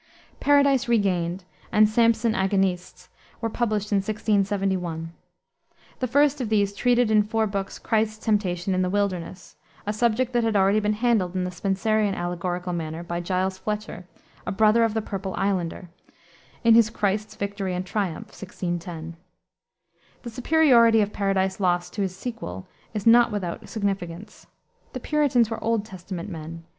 Paradise Regained and Samson Agonistes were published in 1671. The first of these treated in four books Christ's temptation in the wilderness, a subject that had already been handled in the Spenserian allegorical manner by Giles Fletcher, a brother of the Purple Islander, in his Christ's Victory and Triumph, 1610. The superiority of Paradise Lost to its sequel is not without significance. The Puritans were Old Testament men.